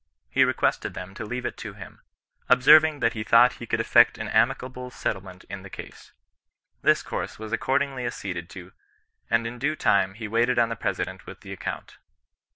He requested them to leave it to him, observing that he thought he could effect an ami cable settlement in the case. This course was accord ingly acceded to, and in due time he waited on the Pre sident with the account.